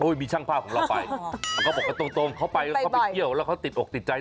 โอ้ยมีช่างพ่าของเราไปก็บอกตรงเขาไปเขาไปเที่ยวแล้วเขาติดอกติดใจ